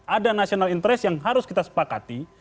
ada national interest yang harus kita sepakati